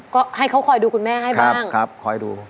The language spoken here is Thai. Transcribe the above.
ก็ให้เขาคอยดูคุณแม่ให้บ้างครับคอยดู